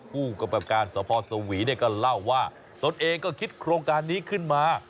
ผู้กำกับการสภสวีเนี่ยก็เล่าว่าตนเองก็คิดโครงการนี้ขึ้นมา